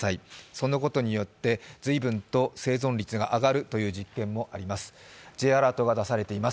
そのことによって随分と生存率が上がるという実験もあります。